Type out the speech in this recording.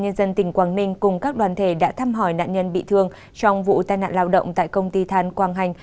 nhân dân tỉnh quảng ninh cùng các đoàn thể đã thăm hỏi nạn nhân bị thương trong vụ tai nạn lao động tại công ty than quang hành